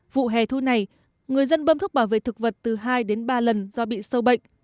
vụ hè thu này người dân bơm thuốc bảo vệ thực vật từ hai đến ba lần do bị sâu bệnh